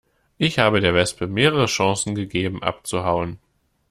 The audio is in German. Ich habe der Wespe mehrere Chancen gegeben abzuhauen.